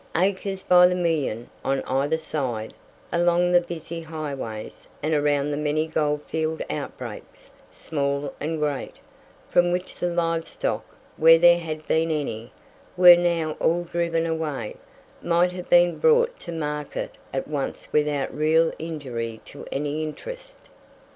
Acres by the million, on either side, along the busy highways, and around the many goldfield outbreaks, small and great, from which the live stock, where there had been any, were now all driven away, might have been brought to market at once without real injury to any interest.